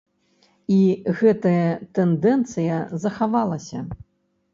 І гэтая тэндэнцыя захавалася.